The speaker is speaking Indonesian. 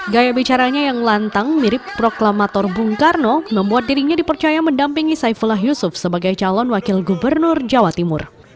gaya bicaranya yang lantang mirip proklamator bung karno membuat dirinya dipercaya mendampingi saifullah yusuf sebagai calon wakil gubernur jawa timur